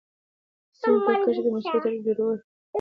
د سیمې په کچه د مثبتو اړیکو جوړول د سیاسي ثبات لپاره مهم دي.